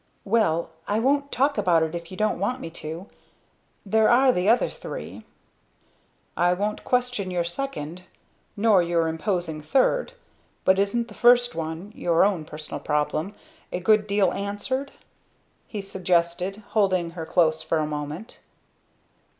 "Well I won't talk about it if you don't want me to. There are the other three." "I won't question your second, nor your imposing third, but isn't the first one your own personal problem a good deal answered?" he suggested, holding her close for a moment.